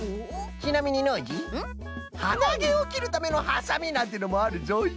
ちなみにノージーはなげをきるためのハサミなんてのもあるぞい！